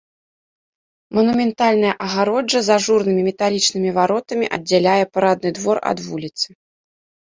Манументальная агароджа з ажурнымі металічнымі варотамі аддзяляе парадны двор ад вуліцы.